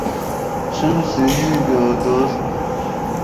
三十句表達法